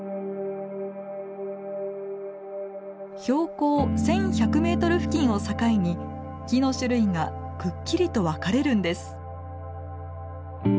標高１，１００メートル付近を境に木の種類がくっきりと分かれるんです。